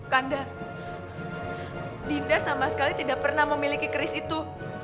kanda dinda sama sekali tidak pernah memiliki keris itu